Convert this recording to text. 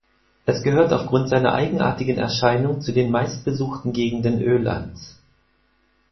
Es gehört aufgrund seiner eigenartigen Erscheinung zu den meistbesuchten Gegenden Ölands.